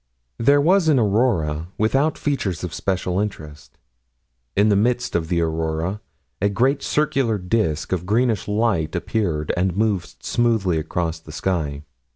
There was an aurora, without features of special interest. In the midst of the aurora, a great circular disk of greenish light appeared and moved smoothly across the sky.